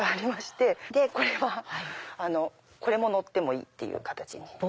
これはこれも乗ってもいいっていう形に。